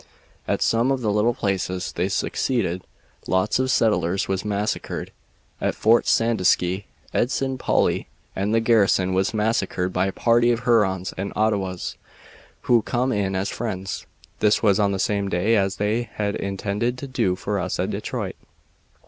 At some of the little places they succeeded. Lots of settlers was massacred. At Fort Sandusky Ensign Paulli and the garrison was massacred by a party of Hurons and Ottawas who come in as friends. This was on the same day as they had intended to do for us at Detroit.